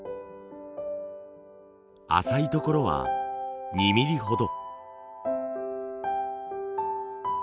浅いところは２ミリほど。